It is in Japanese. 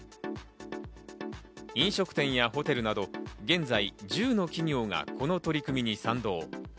飲食店やホテルなど現在、１０の企業がこの取り組みに賛同。